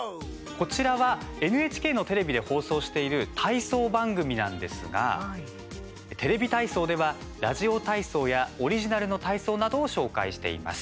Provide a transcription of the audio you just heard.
こちらはＮＨＫのテレビで放送している体操番組なんですがテレビ体操では、ラジオ体操やオリジナルの体操などを紹介しています。